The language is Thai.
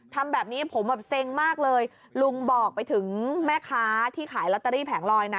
ทำแบบนี้ผมแบบเซ็งมากเลยลุงบอกไปถึงแม่ค้าที่ขายลอตเตอรี่แผงลอยนะ